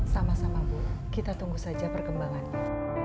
sama sama bu kita tunggu saja perkembangannya